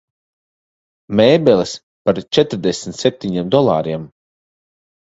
Mēbeles par četrdesmit septiņiem dolāriem.